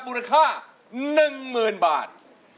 มูลค่า๑๐๐๐บาท